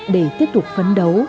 để tiếp tục phấn đấu